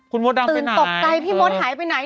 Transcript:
ตื่นตกใกล้พี่มดหายไปไหนคุณมดดำไปไหน